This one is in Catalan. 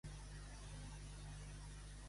En quin context ha fet afirmacions Boye?